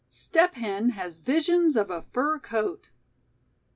STEP HEN HAS VISIONS OF A FUR COAT.